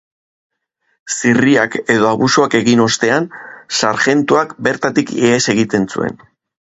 Zirriak edo abusuak egin ostean, sarjentuak bertatik ihes egiten zuen.